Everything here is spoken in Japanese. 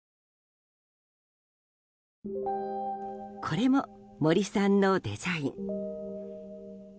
これも森さんのデザイン。